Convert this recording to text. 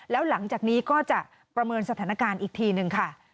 แล้วหลังจากนี้ก็จะประเมินสถานการณ์อีกทีหนึ่งค่ะ